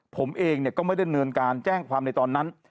ผมเองก็ไม่ได้เนินการแจ้งความในตอนนั้น